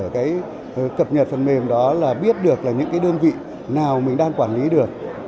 cái cập nhật phần mềm đó là biết được là những cái đơn vị nào mình đang quản lý được